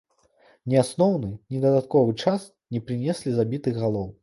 Ні асноўны, ні дадатковы час не прынеслі забітых галоў.